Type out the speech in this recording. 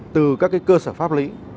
từ các cơ sở pháp lý